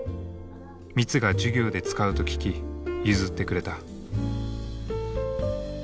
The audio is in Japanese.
ミツが授業で使うと聞き譲ってくれた。